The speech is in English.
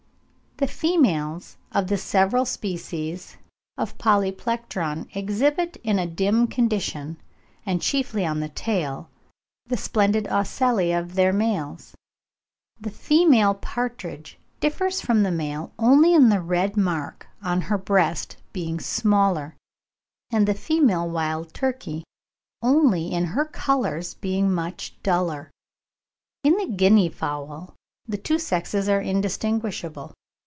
The females of the several species of Polyplectron exhibit in a dim condition, and chiefly on the tail, the splendid ocelli of their males. The female partridge differs from the male only in the red mark on her breast being smaller; and the female wild turkey only in her colours being much duller. In the guinea fowl the two sexes are indistinguishable.